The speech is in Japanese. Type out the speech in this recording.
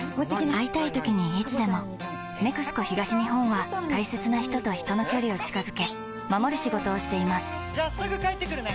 会いたいときにいつでも「ＮＥＸＣＯ東日本」は大切な人と人の距離を近づけ守る仕事をしていますじゃあすぐ帰ってくるね！